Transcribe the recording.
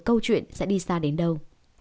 câu chuyện sẽ đi xa đến đâu